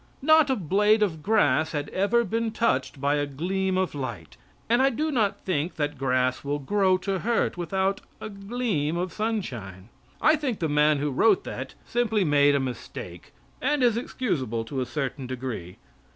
Not a blade of grass had ever been touched by a gleam of light. And I do not think that grass will grow to hurt without a gleam of sunshine. I think the man who wrote that simply made a mistake, and is excusable to a certain degree.